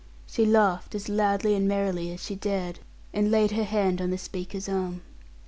She laughed as loudly and as merrily as she dared, and laid her hand on the speaker's arm.